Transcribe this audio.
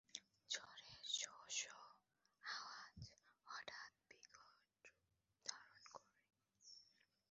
ঝড়ের শো শো আওয়াজ হঠাৎ বিকটরূপ ধারণ করে।